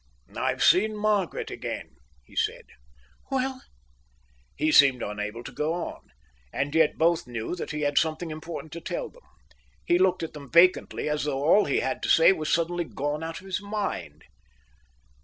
"I've seen Margaret again," he said. "Well?" He seemed unable to go on, and yet both knew that he had something important to tell them. He looked at them vacantly, as though all he had to say was suddenly gone out of his mind.